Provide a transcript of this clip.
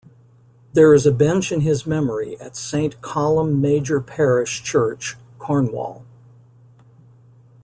There is a bench in his memory at Saint Columb Major Parish Church, Cornwall.